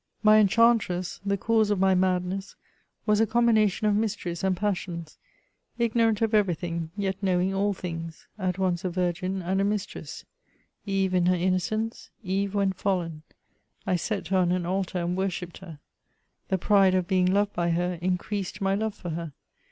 My enchantress, the cause of my madness, was a combination of mysteries and passions; ig norant of every thing, yet knowing all things, — ^at once a virgin and a mistress: Eve in her innocence. Eve when fallen. I set her on an altar, and worshipped her. The pride of being loved by her, increased my love for her.